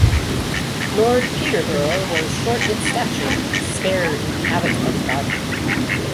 Lord Peterborough was short in stature and spare in habit of body.